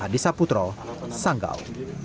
adisa putro sanggau